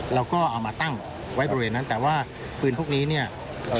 เราก็เอามาตั้งไว้บริเวณนั้นแต่ว่าปืนพวกนี้เนี่ยเอ่อ